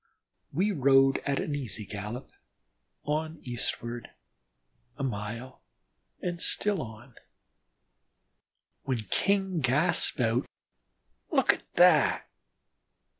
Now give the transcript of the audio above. We rode at an easy gallop, on eastward, a mile, and still on, when King gasped out, "Look at that!"